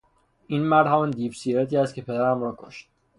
این مرد همان دیو سیرتی است که پدرم را کشت!